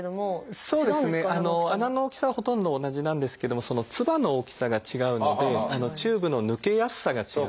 そうですね穴の大きさはほとんど同じなんですけどもそのつばの大きさが違うのでチューブの抜けやすさが違う。